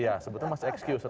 iya sebetulnya masih excuse